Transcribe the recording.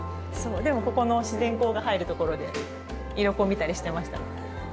でもここの自然光が入るところで色校見たりしてました。